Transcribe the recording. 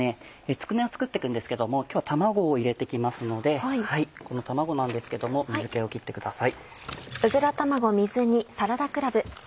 つくねを作ってくんですけども今日は卵を入れて行きますのでこの卵なんですけども水気を切ってください。